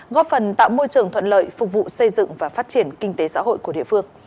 góp phần tạo môi trường thuận lợi phục vụ xây dựng và phát triển kinh tế xã hội của địa phương